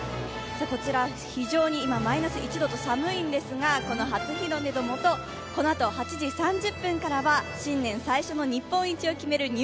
こちら非常にマイナス１度と寒いのですが、この初日の出の下、このあと８時３０分からは新年最初の日本一を決める